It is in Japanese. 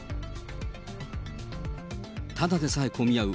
ただでさえ込み合う